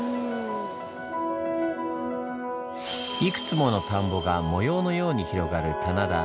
いくつもの田んぼが模様のように広がる棚田。